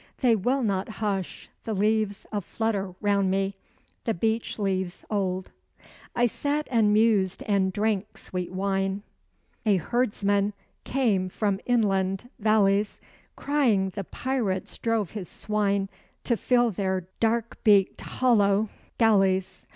They will not hush, the leaves a flutter round me, the beech leaves old. I sat and mused and drank sweet wine; A herdsman came from inland valleys, Crying, the pirates drove his swine To fill their dark beaked hollow galleys.